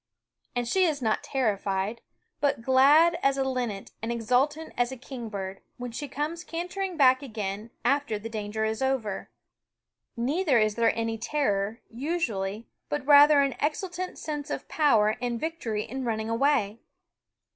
And she is not terrified, but glad as a linnet and exultant as a kingbird, when she comes cantering back again, after the danger is over. Neither is there any terror, usually, but rather an exultant sense of power and vic tory in running away.